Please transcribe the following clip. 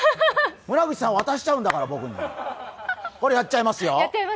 渡しちゃうんだから、僕にこれ、やっちゃいますよ。